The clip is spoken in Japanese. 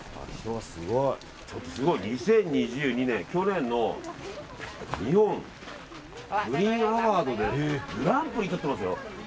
すごいね、２０２２年、去年の日本プリンアワードでグランプリとってますよ。